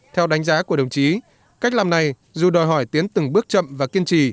theo đánh giá của đồng chí cách làm này dù đòi hỏi tiến từng bước chậm và kiên trì